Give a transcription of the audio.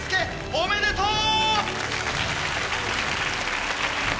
おめでとう！